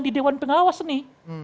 di dewan pengawas nih